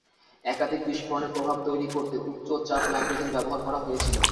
একাধিক বিস্ফোরণের প্রভাব তৈরি করতে উচ্চ-চাপ নাইট্রোজেন ব্যবহার করা হয়েছিল।